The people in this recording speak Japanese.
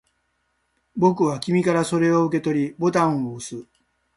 僕は君からそれを受け取り、ボタンを押す